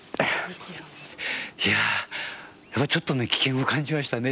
ちょっとね危険を感じましたね。